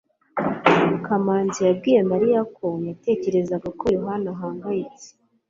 kamanzi yabwiye mariya ko yatekerezaga ko yohana ahangayitse